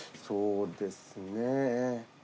そうですね。